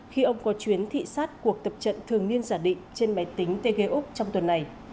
khi ông có chuyến thị sát cuộc tập trận thường niên giả định trên máy tính tg trong tuần này